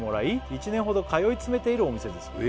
「１年ほど通い詰めているお店です」